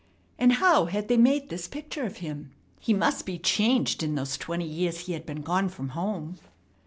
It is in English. And how had they made this picture of him? He must be changed in those twenty years he had been gone from home.